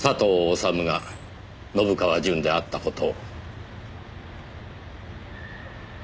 修が信川順であった事を。